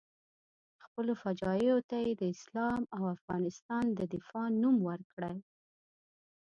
خپلو فجایعو ته یې د اسلام او افغانستان د دفاع نوم ورکړی.